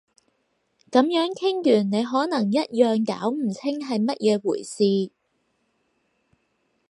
噉樣傾完你可能一樣搞唔清係乜嘢回事